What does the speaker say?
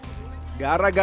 sebelum dia mengasak